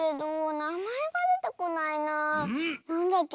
なんだっけ？